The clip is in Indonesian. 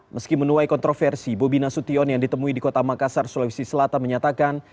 meski menuai kontroversi bobi nasution yang ditemui di kota makassar sulawesi selatan menyatakan